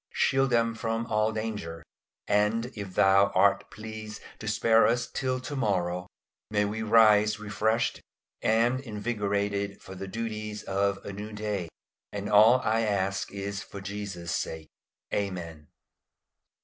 Shield them from all danger; and if Thou art pleased to spare us till to morrow, may we rise refreshed and invigorated for the duties of a new day. And all I ask is for Jesus' sake. Amen.